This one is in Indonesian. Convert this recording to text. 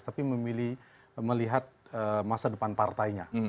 tapi memilih melihat masa depan partainya